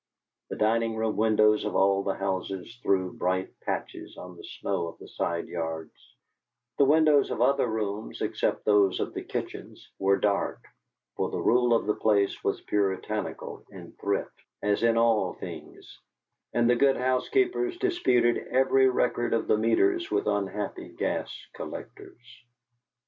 The dining room windows of all the houses threw bright patches on the snow of the side yards; the windows of other rooms, except those of the kitchens, were dark, for the rule of the place was Puritanical in thrift, as in all things; and the good housekeepers disputed every record of the meters with unhappy gas collectors.